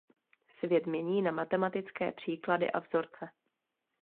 Svět mění na matematické příklady a vzorce.